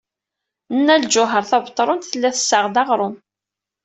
Nna Lǧuheṛ Tabetṛunt tella tessaɣ-d aɣrum.